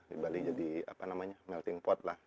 di bali jadi apa namanya melting pot lah